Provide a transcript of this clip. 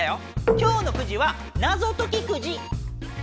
今日のくじは謎解きくじ！